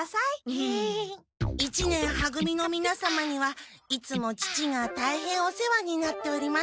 一年は組のみなさまにはいつも父がたいへんお世話になっております。